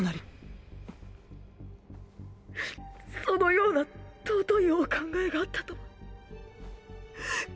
そのような尊いお考えがあったとは。